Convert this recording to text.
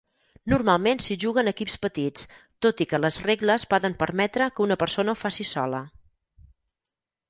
Normalment s'hi juga en equips petits, tot i que les regles poden permetre que una persona ho faci sola.